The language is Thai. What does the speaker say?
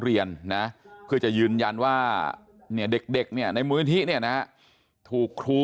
เรียนนะเพื่อจะยืนยันว่าเนี่ยเด็กเนี่ยในมูลนิธิเนี่ยนะถูกครู